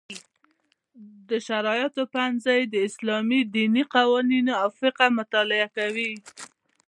د شرعیاتو پوهنځی د اسلامي دیني قوانینو او فقه مطالعه کوي.